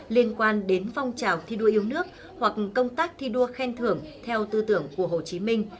liên quan đến phong trào thi đua yêu nước hoặc công tác thi đua khen thưởng theo tư tưởng của hồ chí minh